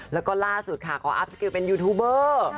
แล้วก็ล่าสุดค่ะขออัพสกิลเป็นยูทูบเบอร์